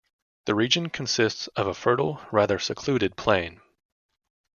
The region consists of a fertile, rather secluded, plain.